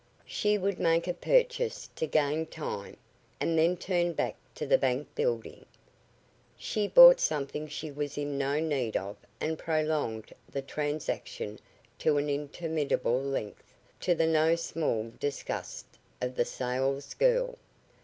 She would make a purchase to gain time, and then turn back to the bank building. She bought something she was in no need of, and prolonged the transaction to an interminable length, to the no small disgust of the salesgirl.